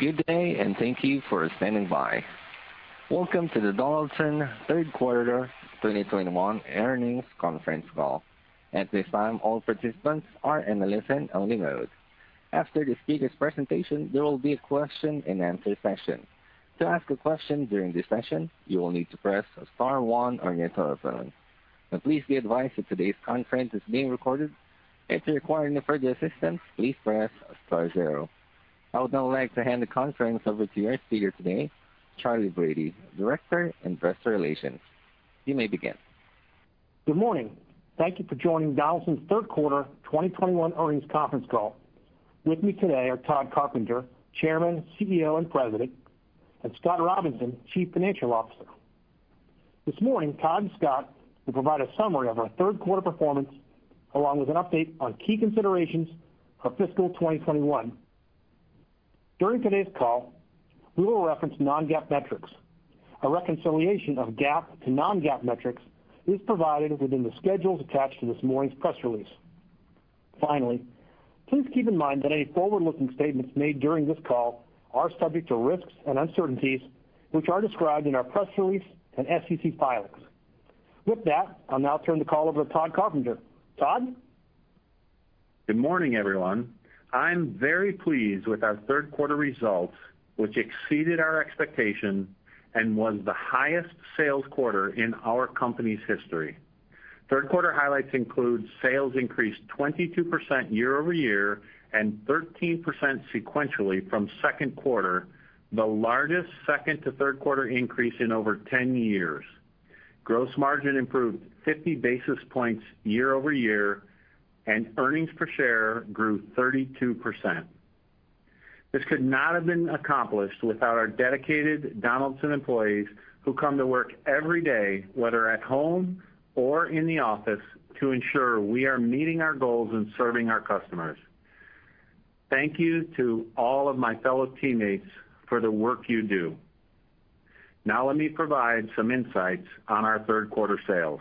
Good day, and thank you for standing by. Welcome to the Donaldson third quarter 2021 earnings conference call. At this time, all participants are in a listen-only mode. After the speaker's presentation, there will be a question-and-answer session. To ask a question during this session, you will need to press star one on your telephone. Please be advised that today's conference is being recorded. If you require any further assistance, please press star zero. I would now like to hand the conference over to our speaker today, Charley Brady, Director, Investor Relations. You may begin. Good morning. Thank you for joining Donaldson's third quarter 2021 earnings conference call. With me today are Tod Carpenter, Chairman, CEO, and President, and Scott Robinson, Chief Financial Officer. This morning, Tod and Scott will provide a summary of our third quarter performance, along with an update on key considerations for fiscal 2021. During today's call, we will reference non-GAAP metrics. A reconciliation of GAAP to non-GAAP metrics is provided within the schedules attached to this morning's press release. Finally, please keep in mind that any forward-looking statements made during this call are subject to risks and uncertainties, which are described in our press release and SEC filings. With that, I'll now turn the call over to Tod Carpenter. Tod? Good morning, everyone. I'm very pleased with our third quarter results, which exceeded our expectations and was the highest sales quarter in our company's history. Third quarter highlights include sales increased 22% year-over-year and 13% sequentially from second quarter, the largest second-to-third quarter increase in over 10 years. Gross margin improved 50 basis points year-over-year, and earnings per share grew 32%. This could not have been accomplished without our dedicated Donaldson employees who come to work every day, whether at home or in the office, to ensure we are meeting our goals and serving our customers. Thank you to all of my fellow teammates for the work you do. Now, let me provide some insights on our third quarter sales.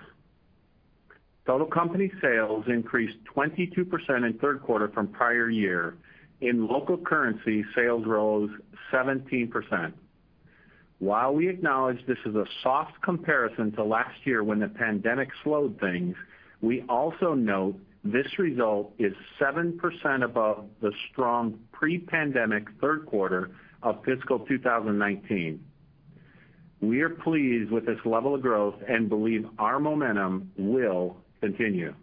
Total company sales increased 22% in third quarter from prior year. In local currency, sales rose 17%. While we acknowledge this is a soft comparison to last year when the pandemic slowed things, we also note this result is 7% above the strong pre-pandemic third quarter of fiscal 2019. We are pleased with this level of growth and believe our momentum will continue.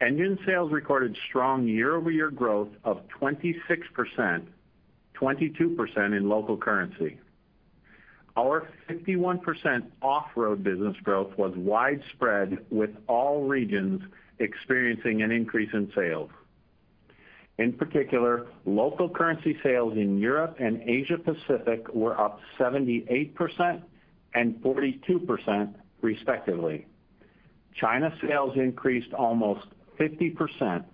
Engine sales recorded strong year-over-year growth of 26%, 22% in local currency. Our 51% off-road business growth was widespread, with all regions experiencing an increase in sales. In particular, local currency sales in Europe and Asia-Pacific were up 78% and 42% respectively. China sales increased almost 50%.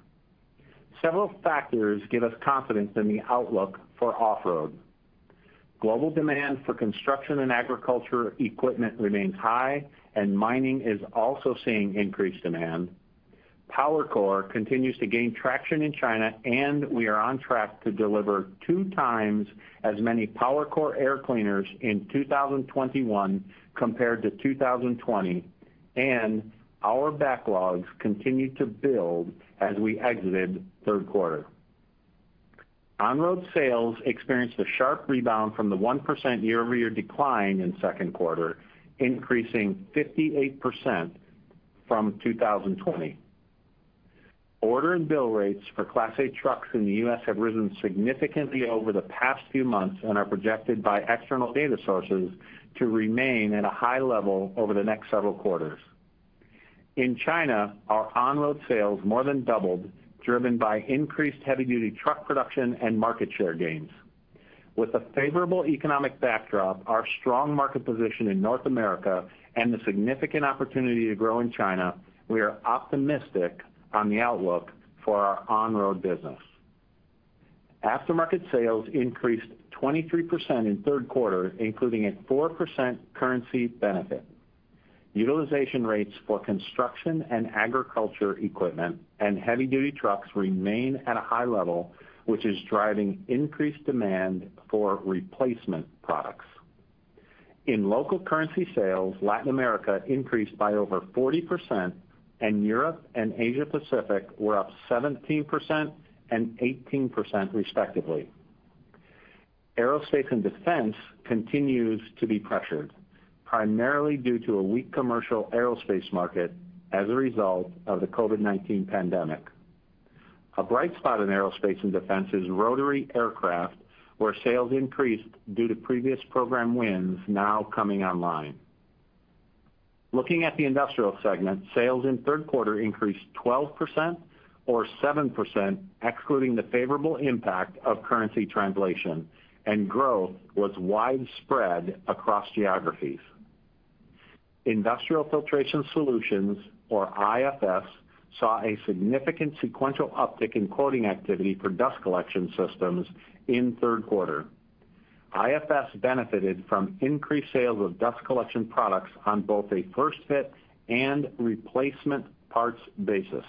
Several factors give us confidence in the outlook for off-road. Global demand for construction and agriculture equipment remains high, and mining is also seeing increased demand. PowerCore continues to gain traction in China, and we are on track to deliver 2x as many PowerCore air cleaners in 2021 compared to 2020, and our backlogs continued to build as we exited third quarter. On-road sales experienced a sharp rebound from the 1% year-over-year decline in second quarter, increasing 58% from 2020. Order and bill rates for Class 8 trucks in the U.S. have risen significantly over the past few months and are projected by external data sources to remain at a high level over the next several quarters. In China, our on-road sales more than doubled, driven by increased heavy-duty truck production and market share gains. With a favorable economic backdrop, our strong market position in North America, and the significant opportunity to grow in China, we are optimistic on the outlook for our on-road business. Aftermarket sales increased 23% in third quarter, including a 4% currency benefit. Utilization rates for construction and agriculture equipment and heavy-duty trucks remain at a high level, which is driving increased demand for replacement products. In local currency sales, Latin America increased by over 40%, and Europe and Asia-Pacific were up 17% and 18% respectively. Aerospace and Defense continues to be pressured, primarily due to a weak commercial aerospace market as a result of the COVID-19 pandemic. A bright spot in Aerospace and Defense is rotary aircraft, where sales increased due to previous program wins now coming online. Looking at the Industrial segment, sales in third quarter increased 12%, or 7% excluding the favorable impact of currency translation, and growth was widespread across geographies. Industrial Filtration Solutions, or IFS, saw a significant sequential uptick in quoting activity for dust collection systems in third quarter. IFS benefited from increased sales of dust collection products on both a first fit and replacement parts basis.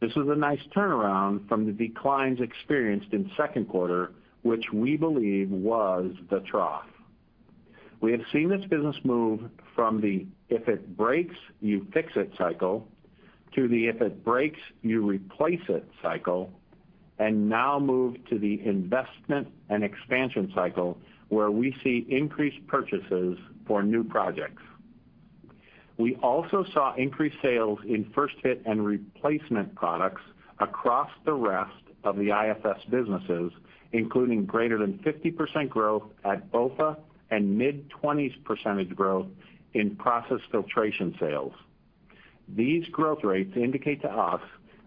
This is a nice turnaround from the declines experienced in second quarter, which we believe was the trough. We have seen this business move from the if it breaks, you fix it cycle to the if it breaks, you replace it cycle, and now move to the investment and expansion cycle where we see increased purchases for new projects. We also saw increased sales in first fit and replacement products across the rest of the IFS businesses, including greater than 50% growth at BOFA and mid-20% percentage growth in process filtration sales. These growth rates indicate to us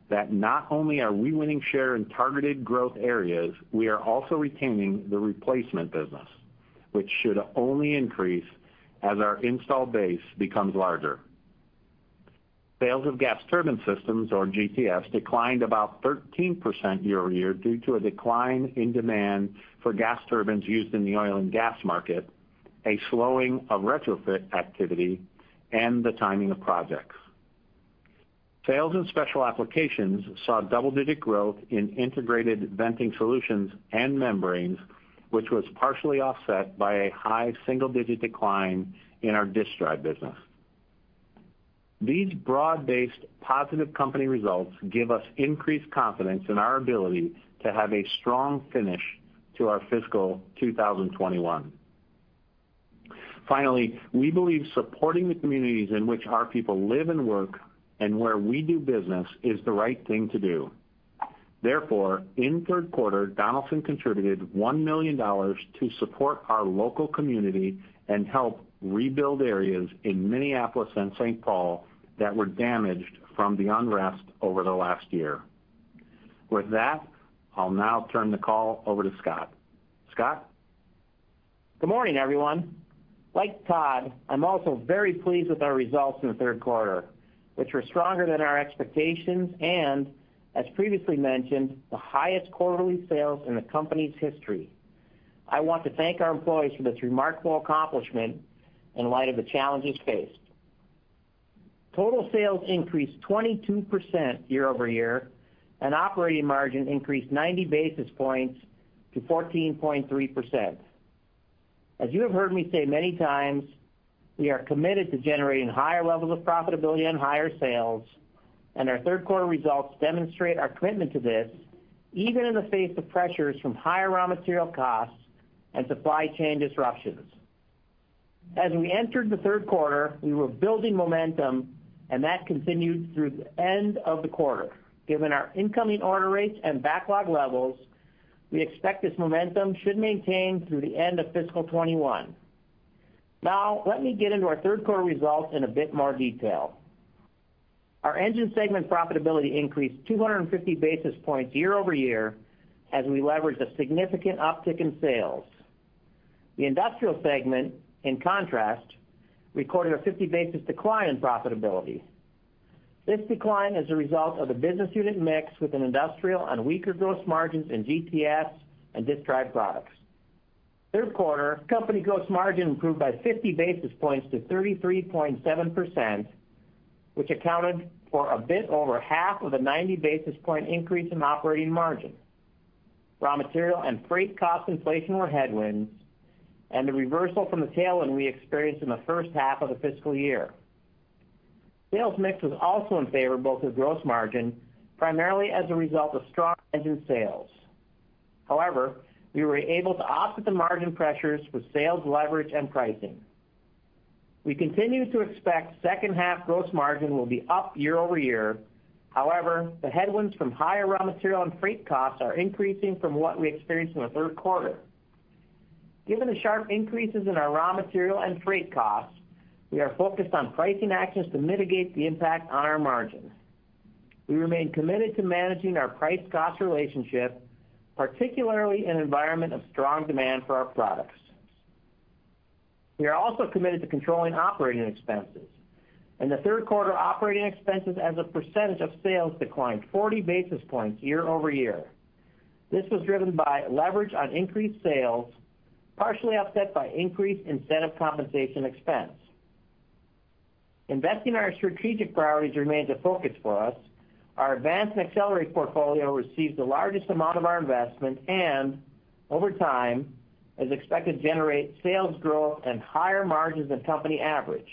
that not only are we winning share in targeted growth areas, we are also retaining the replacement business, which should only increase as our install base becomes larger. Sales of Gas Turbine Systems, or GTS, declined about 13% year-over-year due to a decline in demand for gas turbines used in the oil and gas market, a slowing of retrofit activity, and the timing of projects. Sales in Special Applications saw double-digit growth in integrated venting solutions and membranes, which was partially offset by a high single-digit decline in our disk drive business. These broad-based positive company results give us increased confidence in our ability to have a strong finish to our fiscal 2021. Finally, we believe supporting the communities in which our people live and work and where we do business is the right thing to do. In third quarter, Donaldson contributed $1 million to support our local community and help rebuild areas in Minneapolis and St. Paul that were damaged from the unrest over the last year. With that, I'll now turn the call over to Scott. Scott? Good morning, everyone. Like Tod, I'm also very pleased with our results in the third quarter, which were stronger than our expectations and as previously mentioned, the highest quarterly sales in the company's history. I want to thank our employees for this remarkable accomplishment in light of the challenges faced. Total sales increased 22% year-over-year, and operating margins increased 90 basis points to 14.3%. As you have heard me say many times, we are committed to generating higher levels of profitability and higher sales, and our third quarter results demonstrate our commitment to this, even in the face of pressures from higher raw material costs and supply chain disruptions. As we entered the third quarter, we were building momentum, and that continued through the end of the quarter. Given our incoming order rates and backlog levels, we expect this momentum should maintain through the end of fiscal 2021. Now, let me get into our third quarter results in a bit more detail. Our Engine segment profitability increased 250 basis points year-over-year as we leveraged a significant uptick in sales. The Industrial segment, in contrast, recorded a 50 basis decline in profitability. This decline is a result of a business unit mix within Industrial and weaker gross margins in GTS and disk drive products. Third quarter company gross margin improved by 50 basis points to 33.7%, which accounted for a bit over half of the 90 basis point increase in operating margin. Raw material and freight cost inflation were headwinds, the reversal from the tailwind we experienced in the first half of the fiscal year. Sales mix was also unfavorable to gross margin, primarily as a result of strong Engine sales. We were able to offset the margin pressures with sales leverage and pricing. We continue to expect second half gross margin will be up year-over-year. However, the headwinds from higher raw material and freight costs are increasing from what we experienced in the third quarter. Given the sharp increases in our raw material and freight costs, we are focused on pricing actions to mitigate the impact on our margins. We remain committed to managing our price-cost relationship, particularly in an environment of strong demand for our products. We are also committed to controlling operating expenses. In the third quarter, operating expenses as a percentage of sales declined 40 basis points year-over-year. This was driven by leverage on increased sales, partially offset by increased incentive compensation expense. Investing in our strategic priorities remains a focus for us. Our Advance and Accelerate portfolio receives the largest amount of our investment and over time is expected to generate sales growth and higher margins than company average.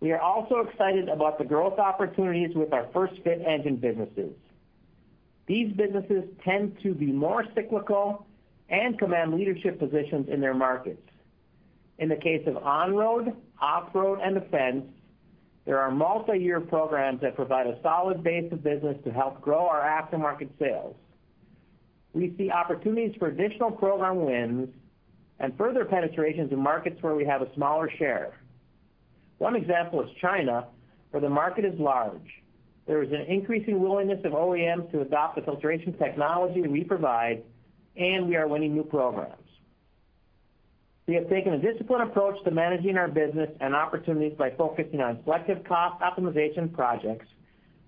We are also excited about the growth opportunities with our first-fit engine businesses. These businesses tend to be more cyclical and command leadership positions in their markets. In the case of on-road, off-road, and defense, there are multi-year programs that provide a solid base of business to help grow our aftermarket sales. We see opportunities for additional program wins and further penetration into markets where we have a smaller share. One example is China, where the market is large. There is an increasing willingness of OEMs to adopt the filtration technology that we provide, and we are winning new programs. We have taken a disciplined approach to managing our business and opportunities by focusing on selective cost optimization projects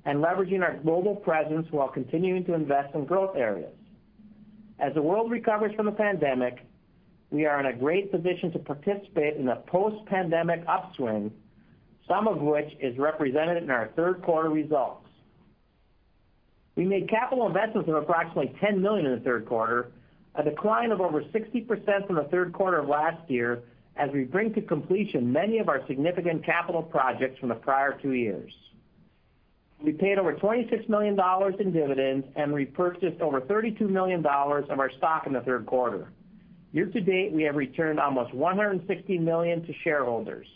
and leveraging our global presence while continuing to invest in growth areas. As the world recovers from the pandemic, we are in a great position to participate in the post-pandemic upswing, some of which is represented in our third quarter results. We made capital investments of approximately $10 million in the third quarter, a decline of over 60% from the third quarter of last year, as we bring to completion many of our significant capital projects from the prior two years. We paid $26 million in dividends and repurchased $32 million of our stock in the third quarter. Year-to-date, we have returned $160 million to shareholders.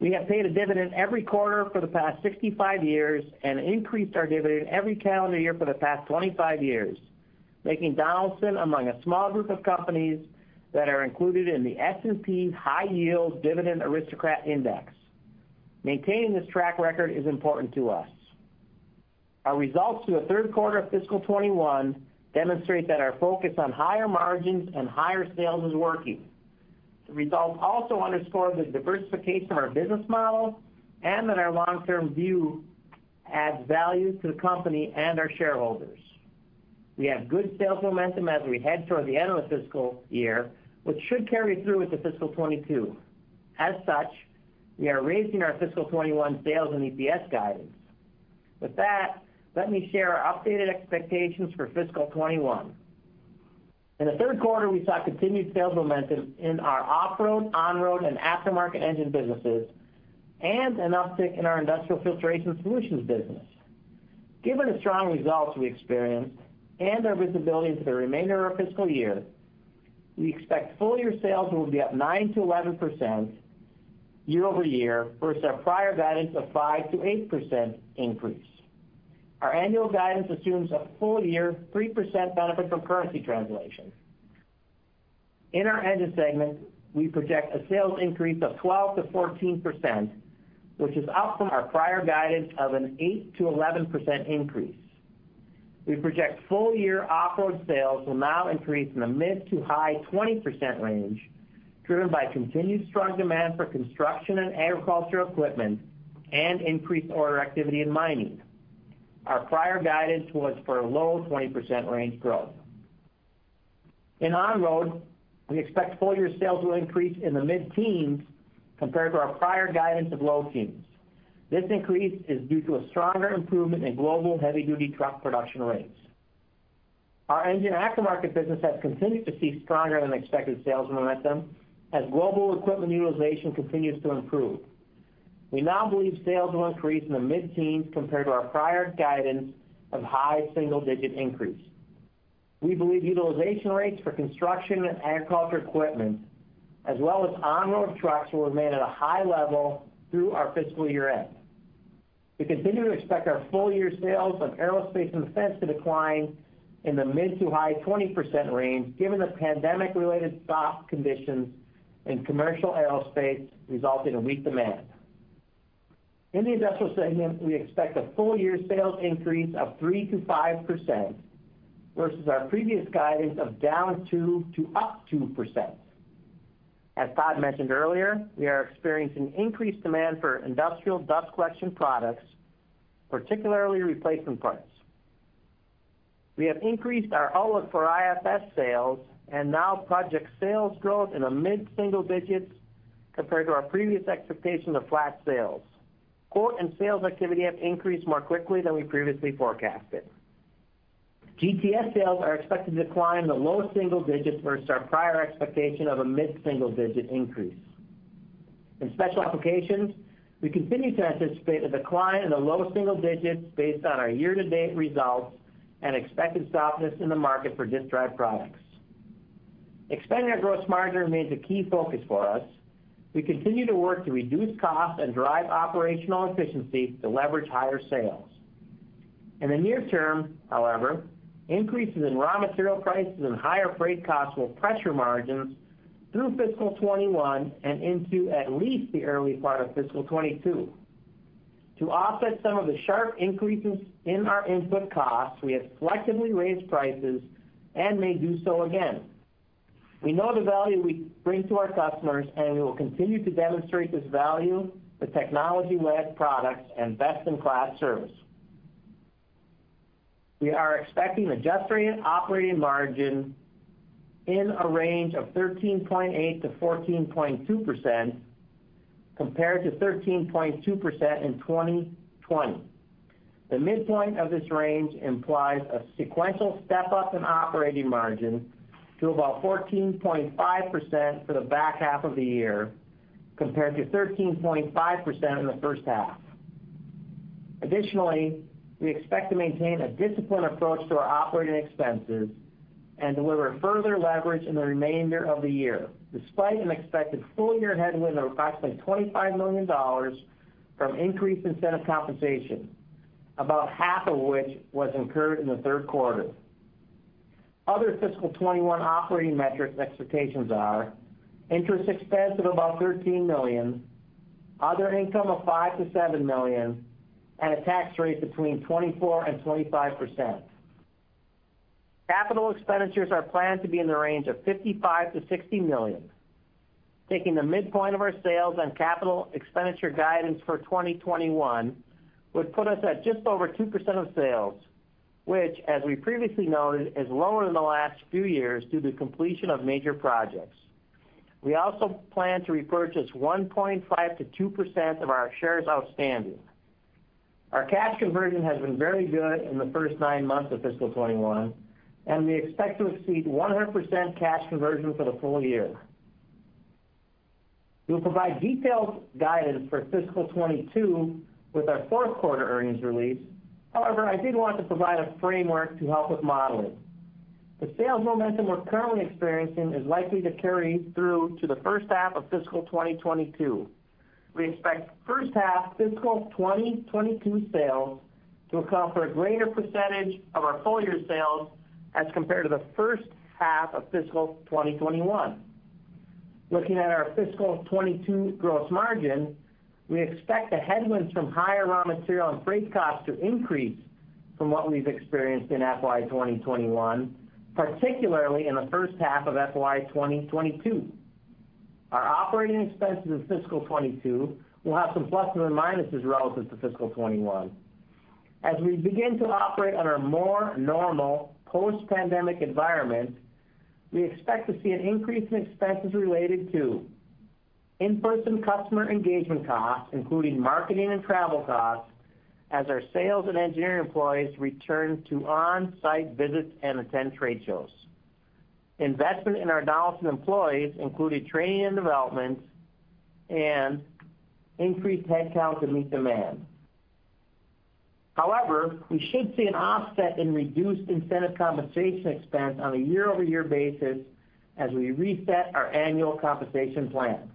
We have paid a dividend every quarter for the past 65 years and increased our dividend every calendar year for the past 25 years, making Donaldson among a small group of companies that are included in the S&P High Yield Dividend Aristocrat Index. Maintaining this track record is important to us. Our results for the third quarter of fiscal 2021 demonstrate that our focus on higher margins and higher sales is working. The results also underscore the diversification of our business model and that our long-term view adds value to the company and our shareholders. We have good sales momentum as we head toward the end of the fiscal year, which should carry through into fiscal 2022. As such, we are raising our fiscal 2021 sales and EPS guidance. With that, let me share our updated expectations for fiscal 2021. In the third quarter, we saw continued sales momentum in our off-road, on-road, and aftermarket engine businesses, and an uptick in our Industrial Filtration Solutions business. Given the strong results we experienced and our visibility into the remainder of our fiscal year, we expect full-year sales will be up 9%-11% year-over-year versus our prior guidance of 5%-8% increase. Our annual guidance assumes a full-year 3% benefit from currency translation. In our Engine segment, we project a sales increase of 12%-14%, which is up from our prior guidance of an 8%-11% increase. We project full-year off-road sales will now increase in the mid to high 20% range, driven by continued strong demand for construction and agriculture equipment and increased order activity in mining. Our prior guidance was for a low 20% range growth. In on-road, we expect full-year sales will increase in the mid-teens compared to our prior guidance of low teens. This increase is due to a stronger improvement in global heavy-duty truck production rates. Our engine aftermarket business has continued to see stronger than expected sales momentum as global equipment utilization continues to improve. We now believe sales will increase in the mid-teens compared to our prior guidance of high single-digit increase. We believe utilization rates for construction and agriculture equipment, as well as on-road trucks, will remain at a high level through our fiscal year-end. We continue to expect our full-year sales of Aerospace and Defense to decline in the mid- to high 20% range, given the pandemic-related soft conditions in commercial aerospace resulting in weak demand. In the industrial segment, we expect a full-year sales increase of 3%-5% versus our previous guidance of down 2% to up 2%. As Tod mentioned earlier, we are experiencing increased demand for industrial dust collection products, particularly replacement parts. We have increased our outlook for IFS sales and now project sales growth in the mid-single digits compared to our previous expectation of flat sales. Quote and sales activity have increased more quickly than we previously forecasted. GTS sales are expected to decline in the low single digits versus our prior expectation of a mid-single-digit increase. In Special Applications, we continue to anticipate a decline in the low single digits based on our year-to-date results and expected softness in the market for disk drive products. Expanding our gross margin remains a key focus for us. We continue to work to reduce costs and drive operational efficiency to leverage higher sales. In the near term, however, increases in raw material prices and higher freight costs will pressure margins through fiscal 2021 and into at least the early part of fiscal 2022. To offset some of the sharp increases in our input costs, we have selectively raised prices and may do so again. We know the value we bring to our customers, and we will continue to demonstrate this value with technology-led products and best-in-class service. We are expecting adjusted operating margin in a range of 13.8%-14.2%, compared to 13.2% in 2020. The midpoint of this range implies a sequential step-up in operating margin to about 14.5% for the back half of the year, compared to 13.5% in the first half. Additionally, we expect to maintain a disciplined approach to our operating expenses and deliver further leverage in the remainder of the year, despite an expected full-year headwind of approximately $25 million from increased incentive compensation, about half of which was incurred in the third quarter. Other fiscal 2021 operating metric expectations are interest expense of about $13 million, other income of $5 million-$7 million, and a tax rate between 24% and 25%. Capital expenditures are planned to be in the range of $55 million-$60 million. Taking the midpoint of our sales on capital expenditure guidance for 2021 would put us at just over 2% of sales, which, as we previously noted, is lower than the last few years due to completion of major projects. We also plan to repurchase 1.5%-2% of our shares outstanding. Our cash conversion has been very good in the first nine months of fiscal 2021, and we expect to exceed 100% cash conversion for the full-year. We'll provide detailed guidance for fiscal 2022 with our fourth quarter earnings release. However, I did want to provide a framework to help with modeling. The sales momentum we're currently experiencing is likely to carry through to the first half of fiscal 2022. We expect first half fiscal 2022 sales to account for a greater percentage of our full-year sales as compared to the first half of fiscal 2021. Looking at our fiscal 2022 gross margin, we expect a headwind from higher raw material and freight costs to increase from what we've experienced in FY 2021, particularly in the first half of FY 2022. Our operating expenses in fiscal 2022 will have some pluses and minuses relative to fiscal 2021. As we begin to operate in a more normal post-pandemic environment, we expect to see an increase in expenses related to inputs and customer engagement costs, including marketing and travel costs, as our sales and engineering employees return to on-site visits and attend trade shows. Investment in our Donaldson employees, including training and development, and increased headcount to meet demand. We should see an offset in reduced incentive compensation expense on a year-over-year basis as we reset our annual compensation plans.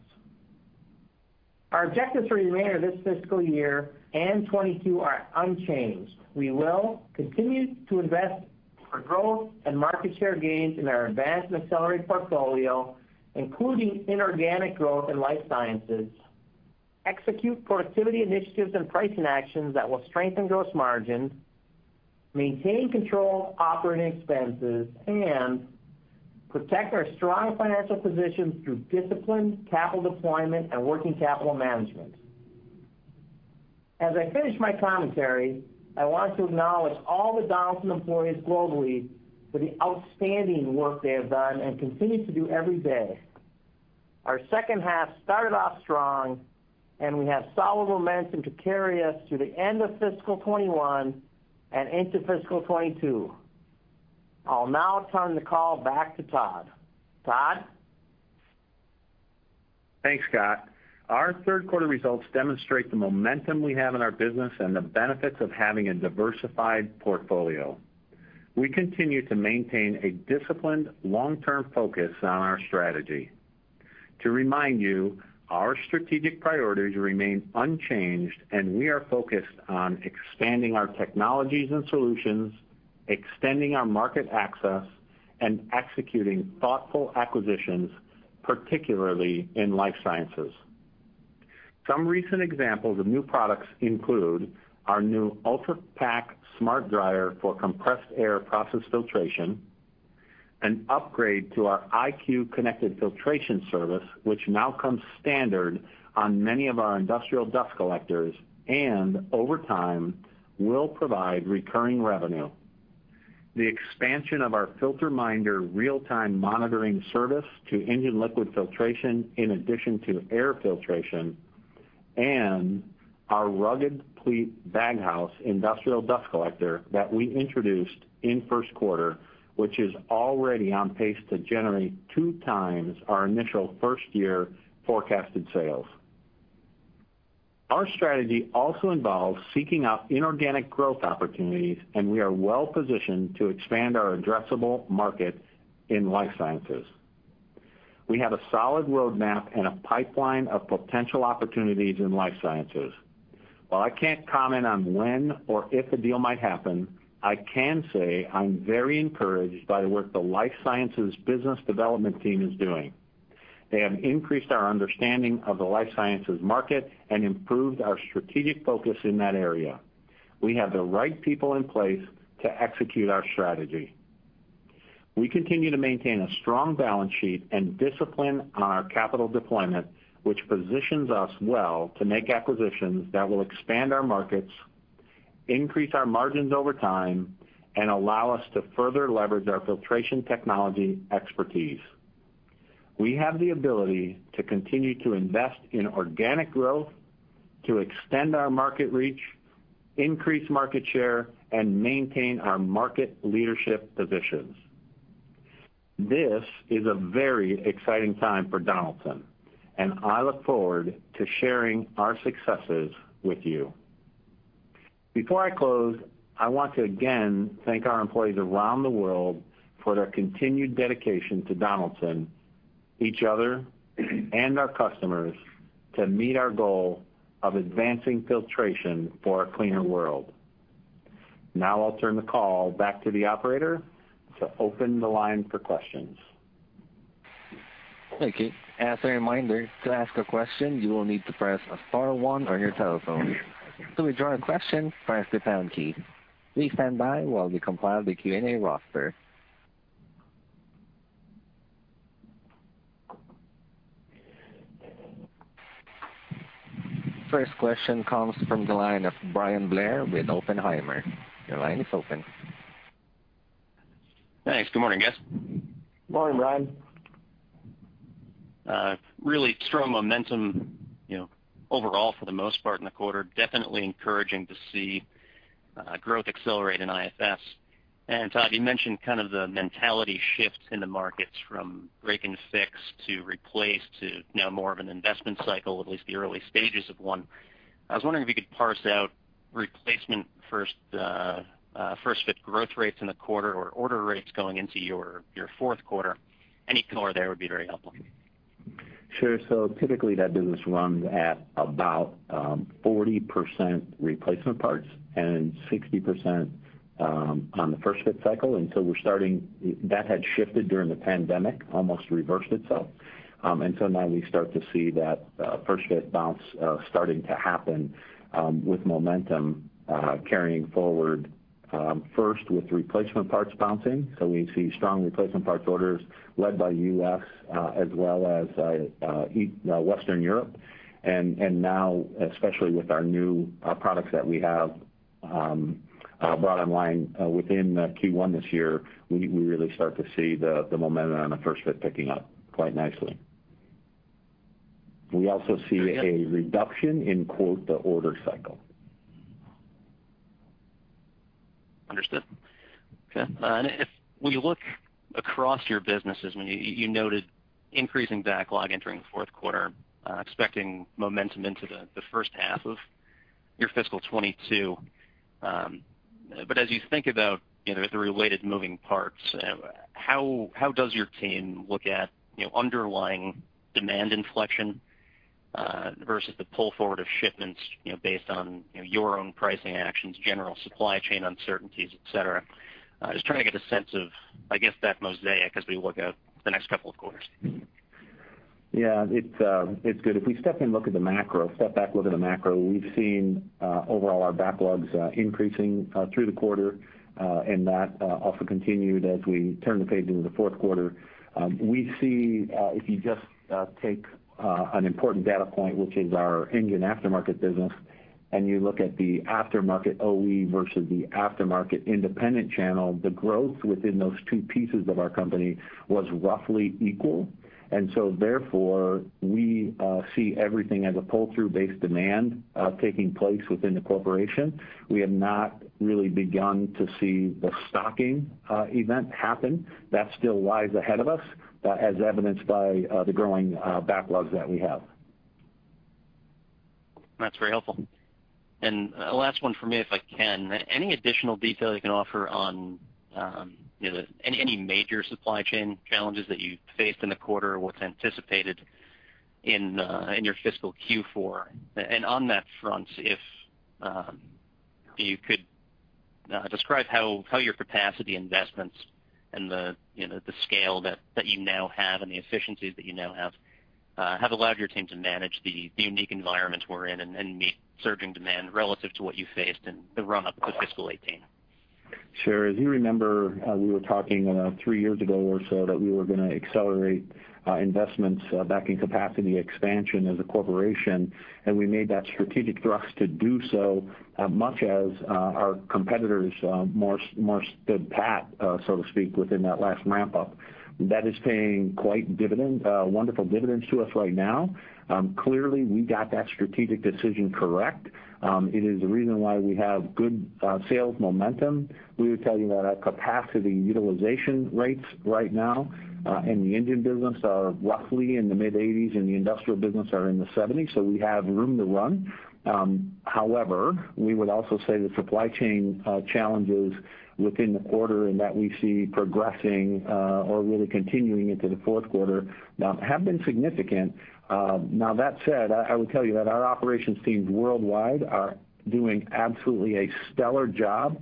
Our objectives remainder this fiscal year and 2022 are unchanged. We will continue to invest for growth and market share gains in our Advance and Accelerate portfolio, including inorganic growth in life sciences, execute productivity initiatives and pricing actions that will strengthen gross margins, maintain control of operating expenses, and protect our strong financial position through disciplined capital deployment and working capital management. As I finish my commentary, I want to acknowledge all the Donaldson employees globally for the outstanding work they have done and continue to do every day. Our second half started off strong, and we have solid momentum to carry us to the end of fiscal 2021 and into fiscal 2022. I'll now turn the call back to Tod. Tod? Thanks, Scott. Our third quarter results demonstrate the momentum we have in our business and the benefits of having a diversified portfolio. We continue to maintain a disciplined long-term focus on our strategy. To remind you, our strategic priorities remain unchanged, and we are focused on expanding our technologies and solutions, extending our market access, and executing thoughtful acquisitions, particularly in life sciences. Some recent examples of new products include our new Ultrapac Smart dryer for compressed air process filtration, an upgrade to our iCue Connected Filtration Service, which now comes standard on many of our industrial dust collectors and over time, will provide recurring revenue. The expansion of our Filter Minder real-time monitoring service to engine liquid filtration in addition to air filtration, and our Rugged Pleat baghouse industrial dust collector that we introduced in first quarter, which is already on pace to generate two times our initial first-year forecasted sales. Our strategy also involves seeking out inorganic growth opportunities, and we are well-positioned to expand our addressable market in life sciences. We have a solid roadmap and a pipeline of potential opportunities in life sciences. While I can't comment on when or if a deal might happen, I can say I'm very encouraged by what the life sciences business development team is doing. They have increased our understanding of the life sciences market and improved our strategic focus in that area. We have the right people in place to execute our strategy. We continue to maintain a strong balance sheet and discipline on our capital deployment, which positions us well to make acquisitions that will expand our markets, increase our margins over time, and allow us to further leverage our filtration technology expertise. We have the ability to continue to invest in organic growth, to extend our market reach, increase market share, and maintain our market leadership positions. This is a very exciting time for Donaldson, and I look forward to sharing our successes with you. Before I close, I want to again thank our employees around the world for their continued dedication to Donaldson, each other, and our customers to meet our goal of advancing filtration for a cleaner world. Now I'll turn the call back to the operator to open the line for questions. Thank you. As a reminder, to ask a question, you will need to press star one on your telephone. To withdraw your question, press the pound key. Please stand by while we compile the Q&A roster. First question comes from the line of Bryan Blair with Oppenheimer. Your line is open. Thanks. Good morning, guys. Morning, Bryan. Really strong momentum overall for the most part in the quarter, definitely encouraging to see growth accelerate in IFS. Tod, you mentioned the mentality shift in the markets from break and fix to replace to now more of an investment cycle, at least the early stages of one. I was wondering if you could parse out replacement first fit growth rates in the quarter or order rates going into your fourth quarter? Any color there would be very helpful. Sure, typically that business runs at about 40% replacement parts and 60% on the first fit cycle. That had shifted during the pandemic, almost reversed itself. Now we start to see that first fit bounce starting to happen with momentum carrying forward first with replacement parts bouncing. We see strong replacement parts orders led by U.S. as well as Western Europe. Now especially with our new products that we have brought online within Q1 this year, we really start to see the momentum on the first fit picking up quite nicely. We also see a reduction in quote-to-order cycle. Understood. Okay, when you look across your businesses, you noted increasing backlog entering fourth quarter, expecting momentum into the first half of your fiscal 2022. As you think about the related moving parts, how does your team look at underlying demand inflection versus the pull forward of shipments based on your own pricing actions, general supply chain uncertainties, etc? Just trying to get a sense of, I guess, that mosaic as we look at the next couple of quarters. Yeah. It's good. If we step back, look at the macro, we've seen overall our backlogs increasing through the quarter, and that also continued as we turned the page into the fourth quarter. We see if you just take an important data point, which is our engine aftermarket business, and you look at the aftermarket OE versus the aftermarket independent channel, the growth within those two pieces of our company was roughly equal. Therefore, we see everything as a pull-through based demand taking place within the corporation. We have not really begun to see the stocking event happen. That still lies ahead of us, as evidenced by the growing backlogs that we have. That's very helpful. Last one from me, if I can. Any additional detail you can offer on any major supply chain challenges that you faced in the quarter or what's anticipated in your fiscal Q4? On that front, if you could describe how your capacity investments and the scale that you now have and the efficiencies that you now have allowed your team to manage the unique environments we're in and meet surging demand relative to what you faced in the run-up to fiscal 2018? Sure. As you remember, we were talking three years ago or so that we were going to accelerate investments back in capacity expansion as a corporation, and we made that strategic thrust to do so as much as our competitors more stood pat, so to speak, within that last ramp up. That is paying wonderful dividends to us right now. Clearly, we got that strategic decision correct. It is the reason why we have good sales momentum. We would tell you that our capacity utilization rates right now in the Engine business are roughly in the mid-80%, and the Industrial business are in the 70%, so we have room to run. We would also say the supply chain challenges within the quarter and that we see progressing or really continuing into the fourth quarter now have been significant. Now that said, I would tell you that our operations teams worldwide are doing absolutely a stellar job.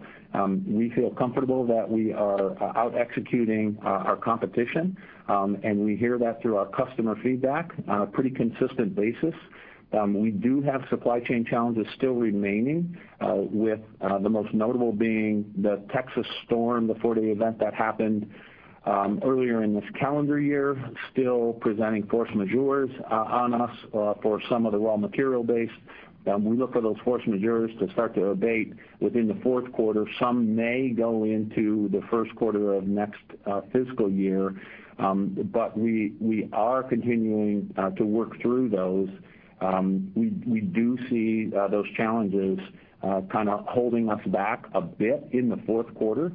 We feel comfortable that we are out-executing our competition, and we hear that through our customer feedback on a pretty consistent basis. We do have supply chain challenges still remaining, with the most notable being the Texas storm, the four-day event that happened earlier in this calendar year, still presenting force majeures on us for some of the raw material base. We look for those force majeures to start to abate within the fourth quarter. Some may go into the first quarter of next fiscal year. We are continuing to work through those. We do see those challenges kind of holding us back a bit in the fourth quarter.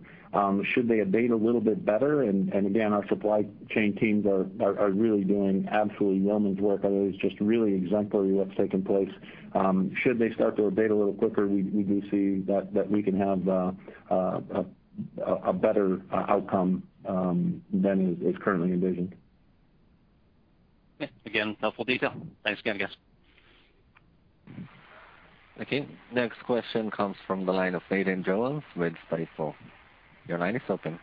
Should they abate a little bit better, and again, our supply chain teams are really doing absolutely yeoman's work. It's just really exemplary what's taking place. Should they start to abate a little quicker, we do see that we can have a better outcome than is currently envisioned. Again, helpful detail. Thanks again. Okay. Next question comes from the line of Nathan Jones with Stifel. Your line is open.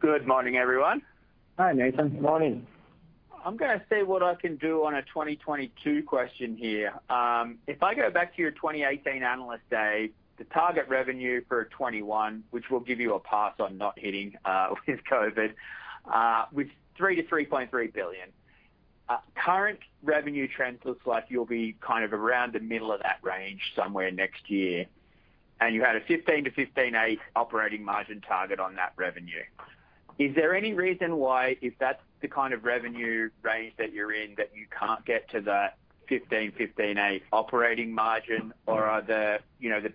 Good morning, everyone. Hi, Nathan. Morning. I'm going to see what I can do on a 2022 question here. If I go back to your 2018 Analyst Day, the target revenue for 2021, which we'll give you a pass on not hitting with COVID-19, was $3 billion-$3.3 billion. Current revenue trends looks like you'll be around the middle of that range somewhere next year, and you had a 15%-15.8% operating margin target on that revenue. Is there any reason why, if that's the kind of revenue range that you're in, that you can't get to the 15%-15.8% operating margin? Are the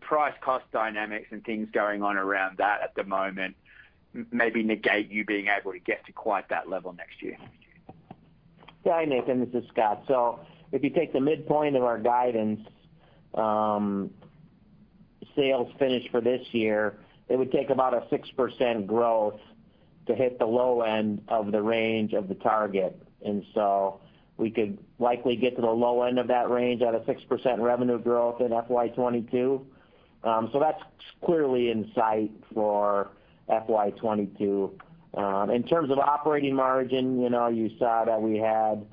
price cost dynamics and things going on around that at the moment maybe negate you being able to get to quite that level next year? Nathan, this is Scott. If you take the midpoint of our guidance sales finish for this year, it would take about a 6% growth to hit the low end of the range of the target. We could likely get to the low end of that range at a 6% revenue growth in FY 2022. That's clearly in sight for FY 2022. In terms of operating margin, you saw that we had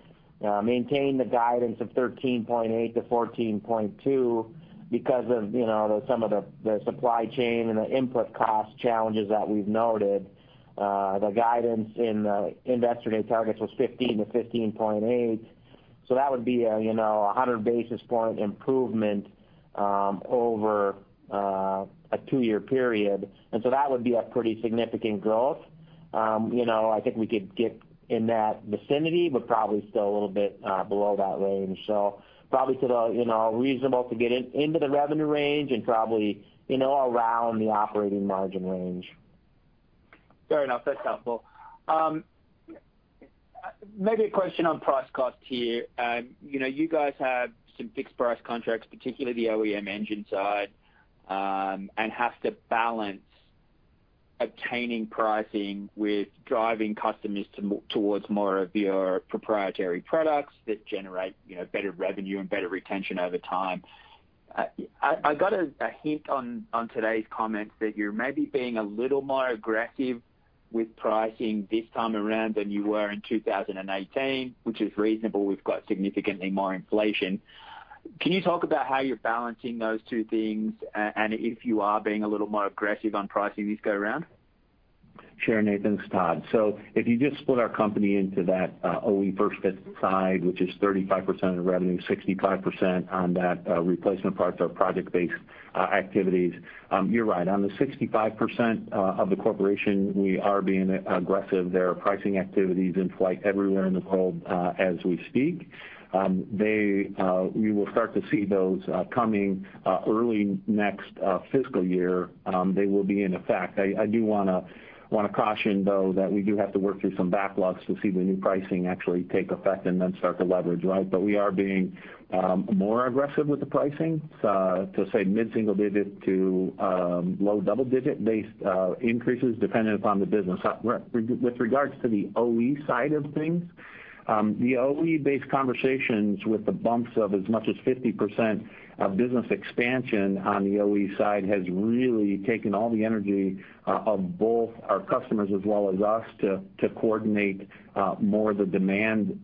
maintained the guidance of 13.8%-14.2% because of some of the supply chain and the input cost challenges that we've noted. The guidance in the Investor Day targets was 15%-15.8%. That would be a 100 basis point improvement over a two-year period, and that would be a pretty significant growth. I think we could get in that vicinity, but probably still a little bit below that range. Probably reasonable to get into the revenue range and probably around the operating margin range. Fair enough, that's helpful. Maybe a question on price cost here. You guys have some fixed price contracts, particularly the OEM engine side, and have to balance obtaining pricing with driving customers to look towards more of your proprietary products that generate better revenue and better retention over time. I got a hint on today's comments that you're maybe being a little more aggressive with pricing this time around than you were in 2018, which is reasonable. We've got significantly more inflation. Can you talk about how you're balancing those two things and if you are being a little more aggressive on pricing this go around? Sure, Nathan. It's Tod. If you just split our company into that OE first fit side, which is 35% of the revenue, 65% on that replacement parts, our project-based activities, you're right. On the 65% of the corporation, we are being aggressive. There are pricing activities in flight everywhere in the globe as we speak. We will start to see those coming early next fiscal year. They will be in effect. I do want to caution, though, that we do have to work through some backlogs to see the new pricing actually take effect and then start to leverage. We are being more aggressive with the pricing to say mid-single digit to low double digit increases depending upon the business. With regards to the OE side of things, the OE based conversations with the bumps of as much as 50% of business expansion on the OE side has really taken all the energy of both our customers as well as us to coordinate more of the demand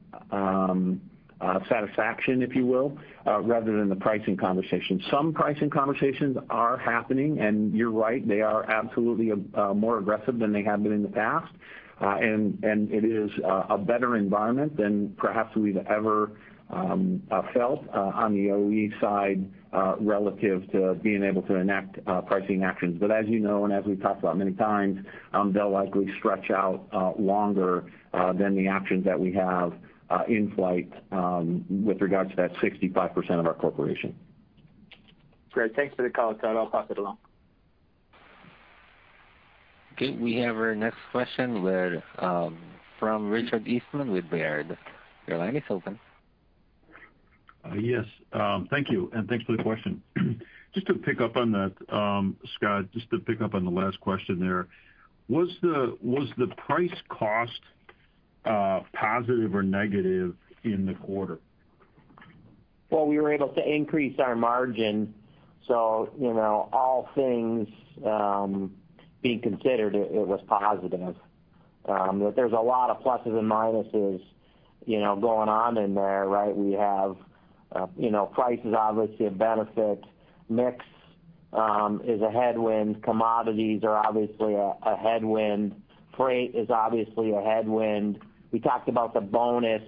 satisfaction, if you will, rather than the pricing conversation. Some pricing conversations are happening, and you're right, they are absolutely more aggressive than they have been in the past. It is a better environment than perhaps we've ever felt on the OE side relative to being able to enact pricing actions. As you know, and as we've talked about many times, they'll likely stretch out longer than the actions that we have in flight with regards to that 65% of our corporation. Great. Thanks for the color, Tod. I'll pass it along. Okay, we have our next question from Richard Eastman with Baird. Your line is open. Yes. Thank you, and thanks for the question. Just to pick up on that, Scott, just to pick up on the last question there, was the price cost positive or negative in the quarter? Well, we were able to increase our margin, all things being considered, it was positive. There's a lot of pluses and minuses going on in there, right? Price is obviously a benefit. Mix is a headwind. Commodities are obviously a headwind. Freight is obviously a headwind. We talked about the bonus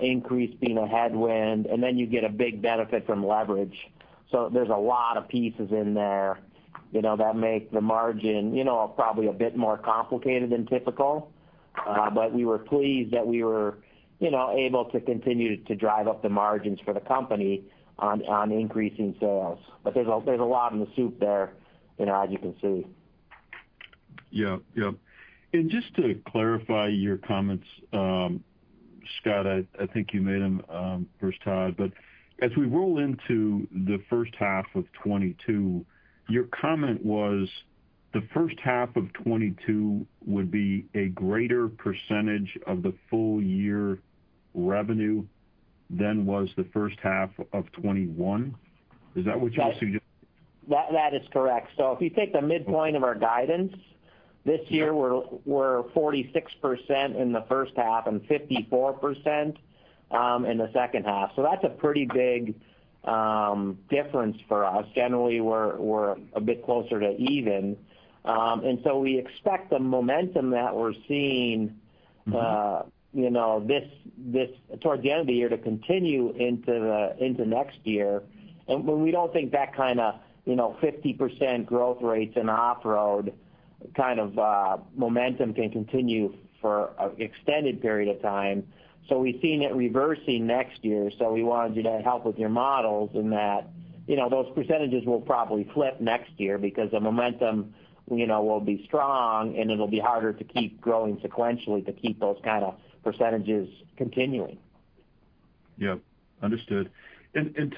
increase being a headwind, you get a big benefit from leverage. There's a lot of pieces in there that make the margin probably a bit more complicated than typical. We were pleased that we were able to continue to drive up the margins for the company on increasing sales. There's a lot in the soup there as you can see. Yep. Just to clarify your comments, Scott, I think you made them first, Tod, but as we roll into the first half of 2022, your comment was, "The first half of 2022 would be a greater percentage of the full-year revenue than was the first half of 2021." Is that what you're suggesting? That is correct. If you take the midpoint of our guidance, this year we're 46% in the first half and 54% in the second half. That's a pretty big difference for us. Generally, we're a bit closer to even. We expect the momentum that we're seeing towards the end of the year to continue into next year. We don't think that kind of 50% growth rates and off-road kind of momentum can continue for an extended period of time. We've seen it reversing next year, so we wanted to help with your models in that. Those percentages will probably flip next year because the momentum will be strong, and it'll be harder to keep growing sequentially to keep those kind of percentages continuing. Yep, understood.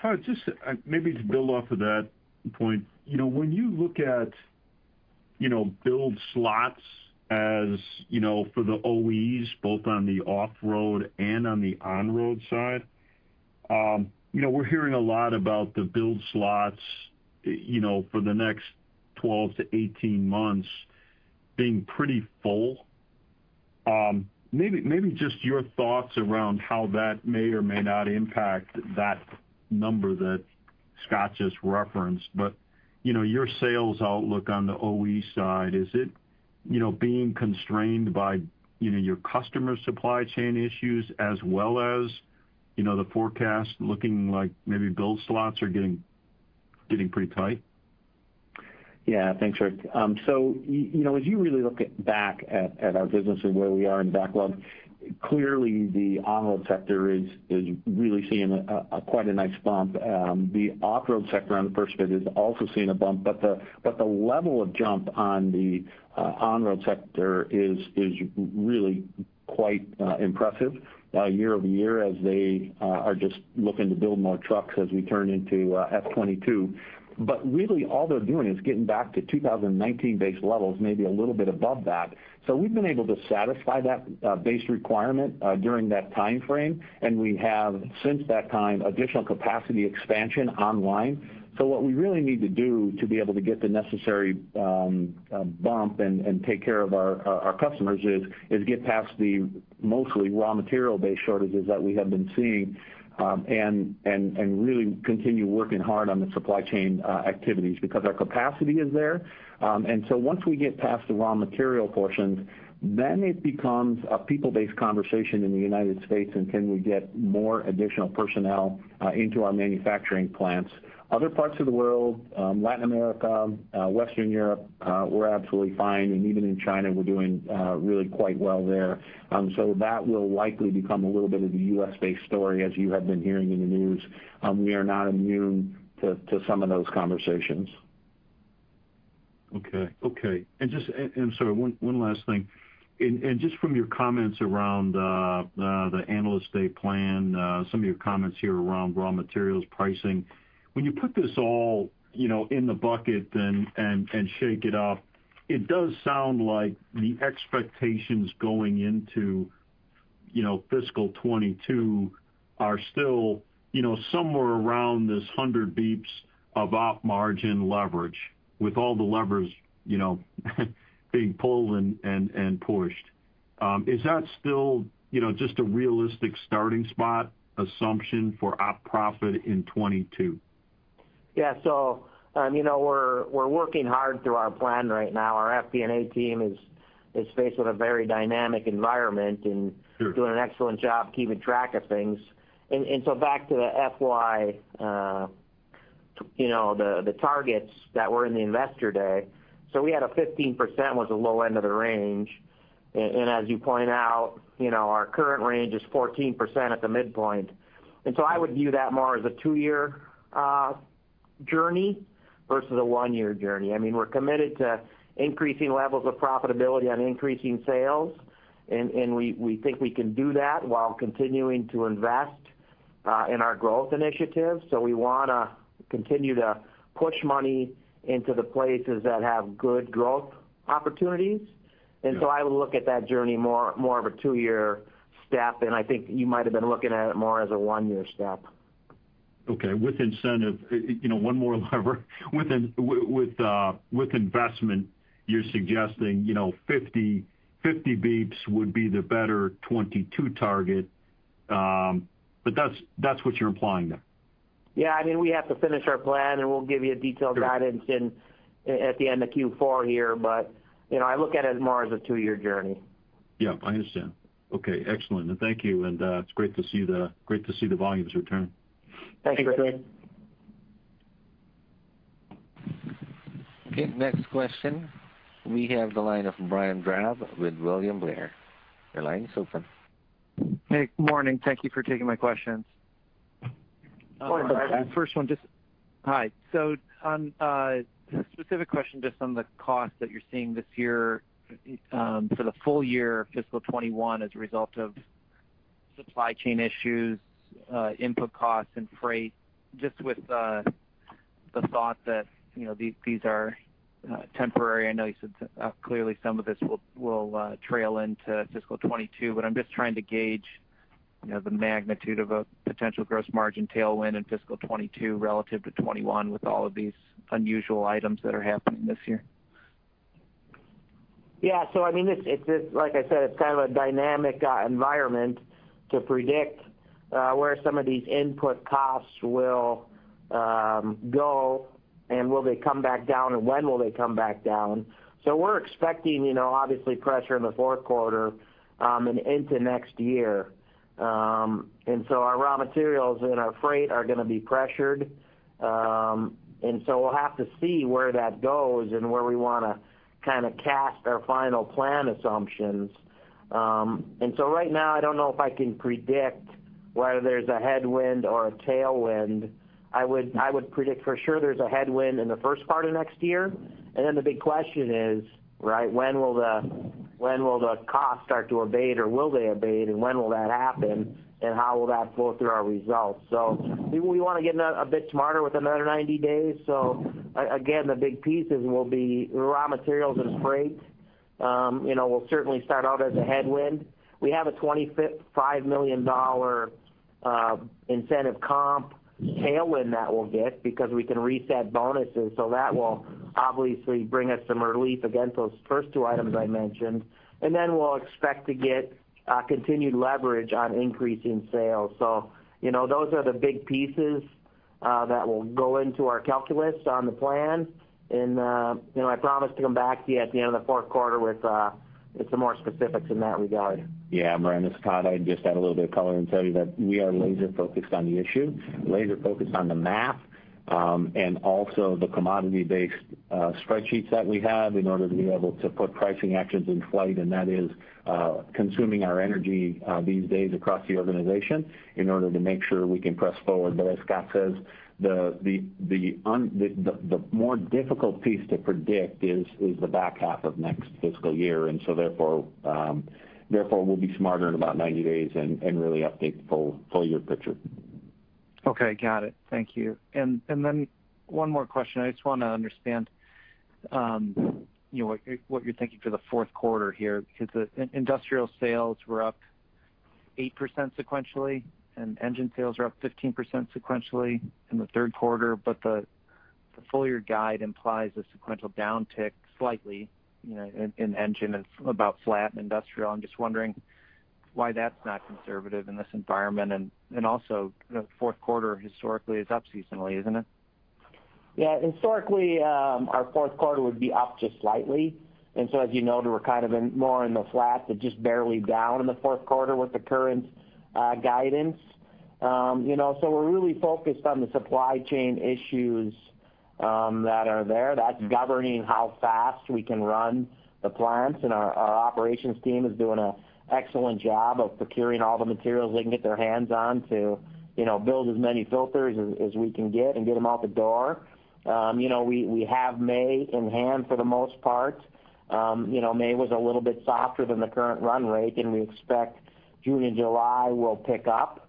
Tod, just maybe to build off of that point. When you look at build slots as for the OEs, both on the off-road and on the on-road side. We're hearing a lot about the build slots for the next 12-18 months being pretty full. Maybe just your thoughts around how that may or may not impact that number that Scott just referenced. Your sales outlook on the OE side, is it being constrained by your customer supply chain issues as well as the forecast looking like maybe build slots are getting pretty tight? Yeah, thanks, Rick. As you really look back at our business and where we are in backlog, clearly the on-road sector is really seeing quite a nice bump. The off-road sector on the first fit is also seeing a bump, the level of jump on the on-road sector is really quite impressive by year-over-year as they are just looking to build more trucks as we turn into FY 2022. Really all they're doing is getting back to 2019 base levels, maybe a little bit above that. We've been able to satisfy that base requirement during that time frame, and we have since that time additional capacity expansion online. What we really need to do to be able to get the necessary bump and take care of our customers is get past the mostly raw material base shortages that we have been seeing and really continue working hard on the supply chain activities because our capacity is there. Once we get past the raw material portions, then it becomes a people-based conversation in the United States, and can we get more additional personnel into our manufacturing plants. Other parts of the world, Latin America, Western Europe, we're absolutely fine. Even in China, we're doing really quite well there. That will likely become a little bit of a US-based story as you have been hearing in the news. We are not immune to some of those conversations. Okay. Sorry, one last thing. Just from your comments around the Analyst Day plan, some of your comments here around raw materials pricing. When you put this all in the bucket and shake it up, it does sound like the expectations going into fiscal 2022 are still somewhere around this 100 basis points of op margin leverage with all the levers being pulled and pushed. Is that still just a realistic starting spot assumption for op profit in 2022? Yeah, we're working hard through our plan right now. Our FP&A team is faced with a very dynamic environment and doing an excellent job keeping track of things. Back to the FY, the targets that were in the Investor Day. We had a 15% was the low end of the range. As you point out, our current range is 14% at the midpoint. I would view that more as a two-year journey versus a one-year journey. We're committed to increasing levels of profitability on increasing sales, and we think we can do that while continuing to invest in our growth initiatives. We want to continue to push money into the places that have good growth opportunities. I would look at that journey more of a two-year step. I think you might've been looking at it more as a one-year step. Okay. With incentive, one more lever with investment, you're suggesting 50 basis points would be the better 2022 target. That's what you're implying there. Yeah. We have to finish our plan, and we'll give you detailed guidance at the end of Q4 here, but I look at it more as a two-year journey. Yeah, I understand. Okay, excellent. Thank you, and it's great to see the volumes return. Thanks, Rich. Okay, next question. We have the line open, Brian Drab with William Blair. Your line is open. Hey, good morning. Thank you for taking my questions. Morning, Brian. Specific question, just on the cost that you're seeing this year for the full-year fiscal 2021 as a result of supply chain issues, input costs and freight, just with the thought that these are temporary. I know clearly some of this will trail into fiscal 2022, I'm just trying to gauge the magnitude of a potential gross margin tailwind in fiscal 2022 relative to 2021 with all of these unusual items that are happening this year. Yeah. I mean, like I said, it's kind of a dynamic environment to predict where some of these input costs will go, and will they come back down, and when will they come back down? We're expecting obviously pressure in the fourth quarter and into next year. Our raw materials and our freight are going to be pressured. We'll have to see where that goes and where we want to kind of cast our final plan assumptions. Right now I don't know if I can predict whether there's a headwind or a tailwind. I would predict for sure there's a headwind in the first part of next year. The big question is, when will the costs start to abate or will they abate? When will that happen, and how will that flow through our results? We want to get a bit smarter with another 90 days. Again, the big pieces will be raw materials and freight. We'll certainly start out as a headwind, we have a $25 million incentive comp tailwind that we'll get because we can reset bonuses, so that will obviously bring us some relief against those first two items I mentioned. We'll expect to get continued leverage on increasing sales. Those are the big pieces that will go into our calculus on the plan. I promise to come back to you at the end of the fourth quarter with some more specifics in that regard. Yeah, Brian, this is Tod. I'd just add a little bit of color and tell you that we are laser-focused on the issue, laser-focused on the math and also the commodity-based spreadsheets that we have in order to be able to put pricing actions in flight. That is consuming our energy these days across the organization in order to make sure we can press forward. As Scott says, the more difficult piece to predict is the back half of next fiscal year, and so therefore we'll be smarter in about 90 days and really update the full-year picture. Okay, got it. Thank you. One more question. I just want to understand what you're thinking for the fourth quarter here, because industrial sales were up 8% sequentially, and engine sales are up 15% sequentially in the third quarter. The full-year guide implies a sequential downtick slightly in engine and about flat in industrial. I'm just wondering why that's not conservative in this environment. The fourth quarter historically is up seasonally, isn't it? Yeah. Historically, our fourth quarter would be up just slightly. As you know, we're kind of more in the flat to just barely down in the fourth quarter with the current guidance. We're really focused on the supply chain issues that are there. That's governing how fast we can run the plants, and our operations team is doing an excellent job of procuring all the materials they can get their hands on to build as many filters as we can get and get them out the door. We have May in hand for the most part. May was a little bit softer than the current run rate, and we expect June and July will pick up.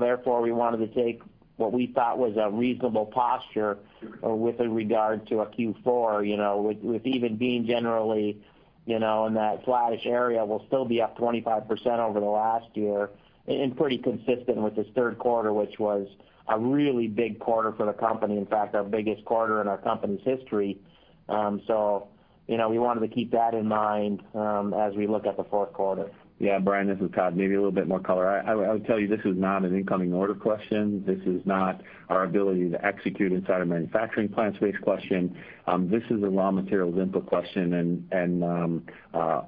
Therefore, we wanted to take what we thought was a reasonable posture with regard to a Q4. With even being generally in that flattish area, we'll still be up 25% over the last year and pretty consistent with this third quarter, which was a really big quarter for the company, in fact, our biggest quarter in our company's history. We wanted to keep that in mind as we look at the fourth quarter. Yeah, Brian, this is Tod. Maybe a little bit more color. I would tell you this is not an incoming order question. This is not our ability to execute inside a manufacturing plant space question. This is a raw materials input question and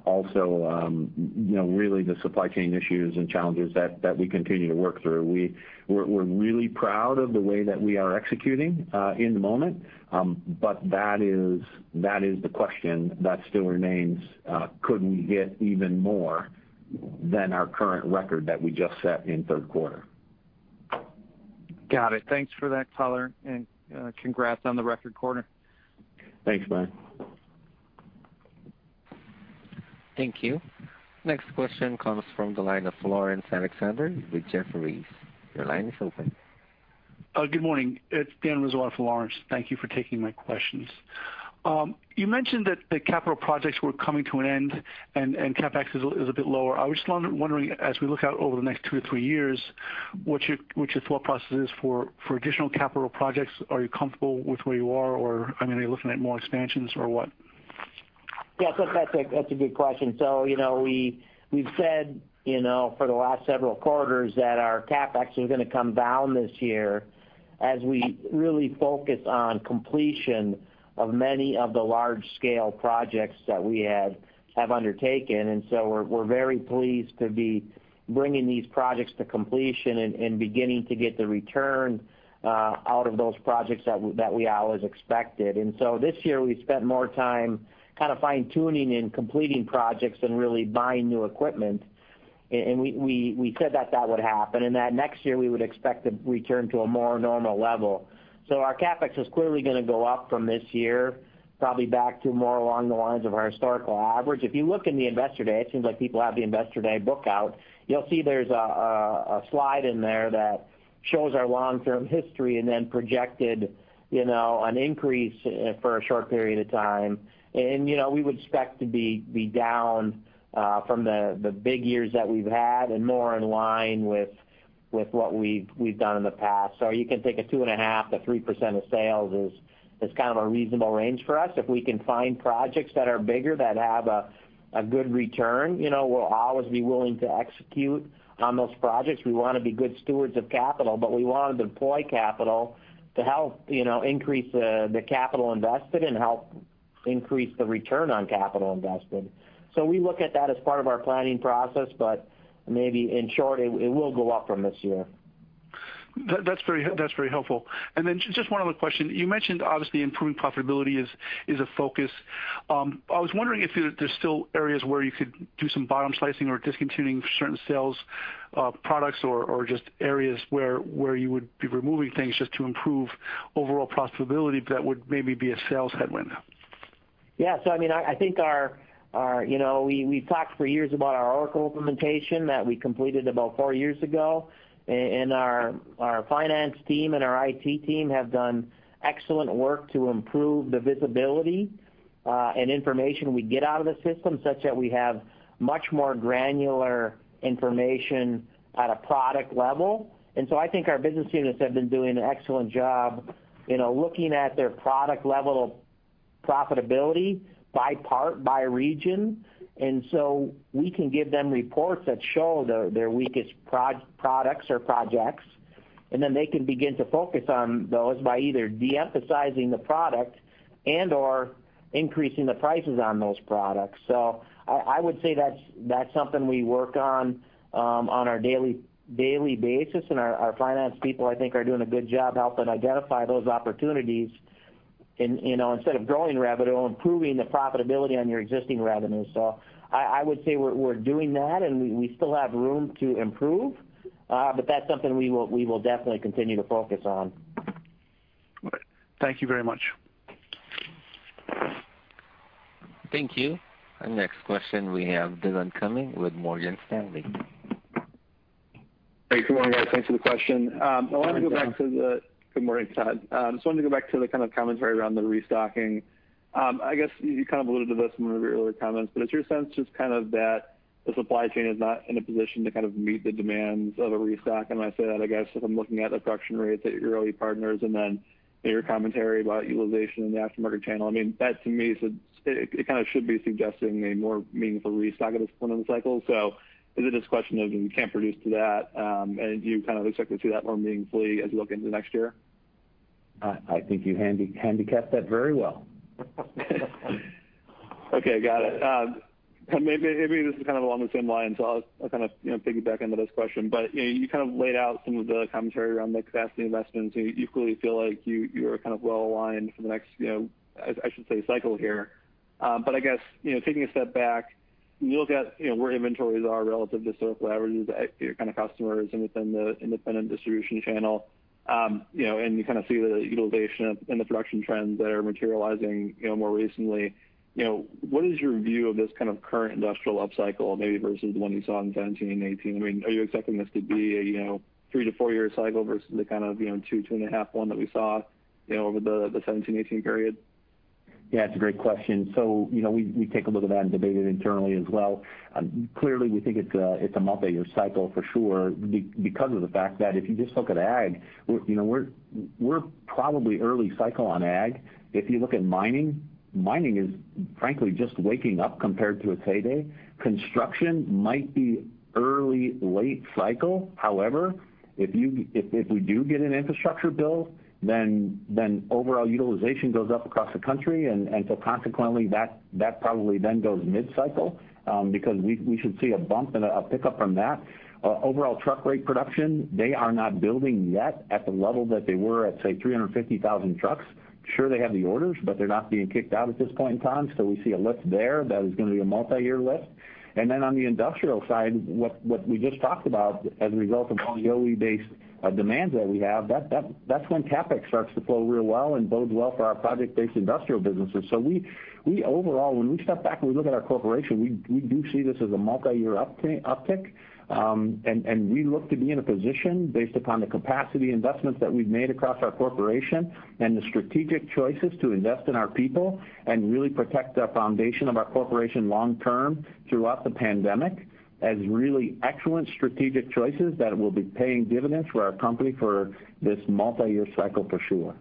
also really the supply chain issues and challenges that we continue to work through. We're really proud of the way that we are executing in the moment. That is the question that still remains. Could we get even more than our current record that we just set in third quarter? Got it. Thanks for that color and congrats on the record quarter. Thanks, Brian. Thank you. Next question comes from the line of Laurence Alexander with Jefferies. Your line is open. Good morning. It's Dan Rizzo on for Laurence. Thank you for taking my questions. You mentioned that the capital projects were coming to an end and CapEx is a bit lower. I was just wondering, as we look out over the next two or three years, what your thought process is for additional capital projects. Are you comfortable with where you are? Are you looking at more expansions or what? Yeah, look, that's a good question. We've said for the last several quarters that our CapEx is going to come down this year as we really focus on completion of many of the large-scale projects that we have undertaken. We're very pleased to be bringing these projects to completion and beginning to get the return out of those projects that we always expected. This year we spent more time kind of fine-tuning and completing projects than really buying new equipment. We said that that would happen, and that next year we would expect to return to a more normal level. Our CapEx is clearly going to go up from this year, probably back to more along the lines of our historical average. If you look in the Investor Day, it seems like people have the Investor Day book out. You'll see there's a slide in there that shows our long-term history and then projected an increase for a short period of time. We would expect to be down from the big years that we've had and more in line with what we've done in the past. You can think of 2.5%-3% of sales as kind of a reasonable range for us. If we can find projects that are bigger, that have a good return, we'll always be willing to execute on those projects. We want to be good stewards of capital, but we want to deploy capital to help increase the capital invested and help increase the return on capital invested. We look at that as part of our planning process, but maybe in short, it will go up from this year. That's very helpful. Then just one other question. You mentioned obviously improved profitability is a focus. I was wondering if there's still areas where you could do some bottom slicing or discontinuing certain sales products or just areas where you would be removing things just to improve overall profitability that would maybe be a sales headwind? Yeah. I think we talked for years about our Oracle implementation that we completed about 4 years ago, and our finance team and our IT team have done excellent work to improve the visibility and information we get out of the system, such that we have much more granular information at a product-level. I think our business units have been doing an excellent job looking at their product-level profitability by part, by region. We can give them reports that show their weakest products or projects, and then they can begin to focus on those by either de-emphasizing the product and/or increasing the prices on those products. I would say that's something we work on our daily basis, and our finance people I think are doing a good job helping identify those opportunities. Instead of growing revenue, improving the profitability on your existing revenue. I would say we're doing that, and we still have room to improve. That's something we will definitely continue to focus on. Great, thank you very much. Thank you. Our next question, we have Dillon Cumming with Morgan Stanley. Hey. Good morning, guys. Thanks for the question. Hi, Dillon. Good morning, Tod. Just wanted to go back to the kind of commentary around the restocking. I guess you kind of alluded to this in one of your earlier comments, is your sense just kind of that the supply chain is not in a position to kind of meet the demands of a restock? I say that, I guess, sort of looking at the approximate rates at your early partners and then your commentary about utilization in the aftermarket channel. That to me it kind of should be suggesting a more meaningful restock at this point in the cycle. It's just a question of when you can produce to that. Do you kind of expect to see that more meaningfully as we look into next year? I think you handicapped that very well. Okay, got it. Maybe this is kind of along the same lines, so I'll kind of piggyback into this question. You kind of laid out some of the commentary around the capacity investments, and you clearly feel like you are kind of well-aligned for the next, I should say, cycle here. I guess, taking a step back, you look at where inventories are relative to sort of leverages your kind of customers within the independent distribution channel. You kind of see the utilization and the production trends that are materializing more recently. What is your view of this kind of current industrial upcycle maybe versus the one you saw in 2017 and 2018? Are you expecting this to be a two to four-year cycle versus the kind of 2.5 one that we saw over the 2017, 2018 period? It's a great question. We take a look at that and debate it internally as well. Clearly, we think it's a multiyear cycle for sure because of the fact that if you just look at ag, we're probably early cycle on ag. If you look at mining is frankly just waking up compared to its heyday. Construction might be early, late cycle. If we do get an infrastructure bill, then overall utilization goes up across the country. Consequently, that probably then goes mid-cycle because we should see a bump and a pickup from that. Overall truck rate production, they are not building yet at the level that they were at, say, 350,000 trucks. Sure, they have the orders, but they're not being kicked out at this point in time. We see a lift there that is going to be a multiyear lift. On the industrial side, what we just talked about as a result of volume-based demands that we have, that's when CapEx starts to flow real well and bodes well for our project-based industrial businesses. We overall, when we step back, we look at our corporation, we do see this as a multiyear uptick. We look to be in a position based upon the capacity investments that we've made across our corporation and the strategic choices to invest in our people and really protect the foundation of our corporation long term throughout the pandemic as really excellent strategic choices that will be paying dividends for our company for this multiyear cycle for sure.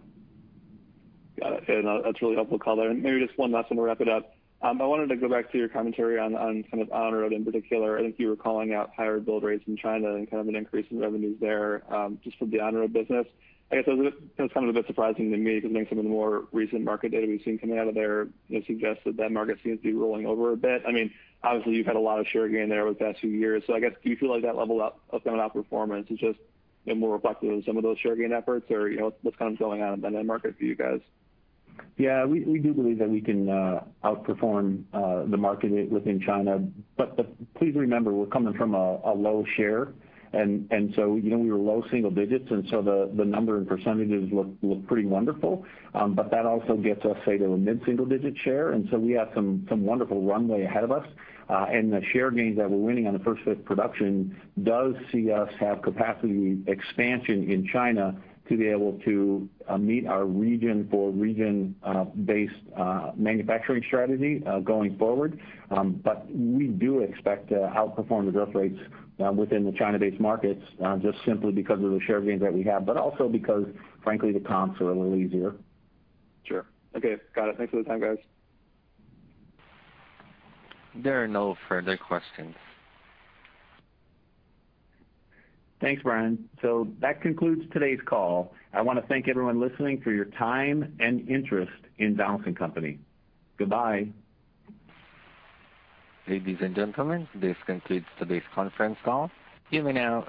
Got it, that's really helpful color. Maybe just one last one to wrap it up. I wanted to go back to your commentary on kind of on-road in particular. I think you were calling out higher build rates in China and kind of an increase in revenues there just for the on-road business. I guess that's kind of a bit surprising to me because I think some of the more recent market data we've seen coming out of there would suggest that that market seems to be rolling over a bit. Obviously, you've had a lot of share gain there over the past few years. I guess, do you feel like that level up of that outperformance has just been more reflective of some of those share gain efforts or what's kind of going on in that market for you guys? Yeah, we do believe that we can outperform the market within China. Please remember, we're coming from a low share, and so we were low single digits, and so the number and percentages look pretty wonderful. That also gets us, say, to a mid-single digit share, and so we have some wonderful runway ahead of us. The share gains that we're winning on the first wave production does see us have capacity expansion in China to be able to meet our region for region-based manufacturing strategy going forward. We do expect to outperform the growth rates within the China-based markets just simply because of the share gains that we have, but also because frankly, the comps are a little easier. Sure. Okay, got it. Thanks for the time, guys. There are no further questions. Thanks, Brian. That concludes today's call. I want to thank everyone listening for your time and interest in Donaldson Company. Goodbye. Ladies and gentlemen, this concludes today's conference call. You may now disconnect.